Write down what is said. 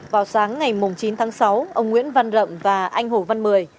vào sáng ngày chín tháng sáu ông nguyễn văn rậm và anh hồ văn mười